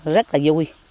rất là vui